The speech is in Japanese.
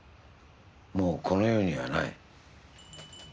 もうこの世にはない。